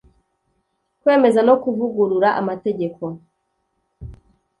Kwemeza no Kuvugurura amategeko